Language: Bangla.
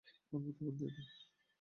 অদ্ভূত বুদ্ধি এটা।